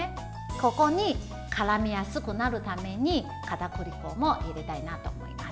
ここにからみやすくなるためにかたくり粉も入れたいと思います。